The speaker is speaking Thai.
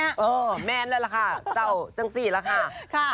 เออแมนแล้วล่ะค่ะเจ้าจังสิแล้วค่ะ